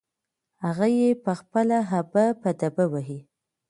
هغه يې په خپله ابه په دبه وهي.